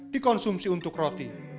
di konsumsi untuk roti